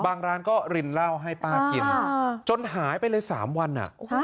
บางร้านก็รินเล่าให้ป้ากินอ่าจนหายไปเลยสามวันอ่ะฮะ